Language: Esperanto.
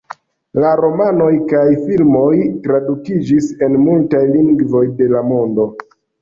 La romanoj kaj filmoj tradukiĝis en multaj lingvoj de la mondo.